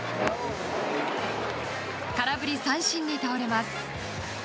空振り三振に倒れます。